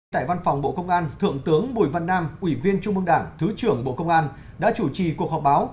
tại văn phòng bộ công an thượng tướng bùi văn nam ủy viên trung mương đảng thứ trưởng bộ công an đã chủ trì cuộc họp báo